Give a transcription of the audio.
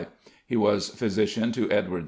He was physician to Edward VI.